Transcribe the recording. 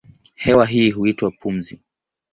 Hewa hii huitwa pumzi.